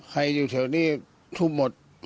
ใครอยู่เทียบนี้ทุบหมด